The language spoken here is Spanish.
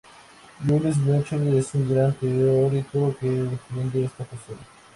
Jules Michelet es el gran teórico que defiende esta postura.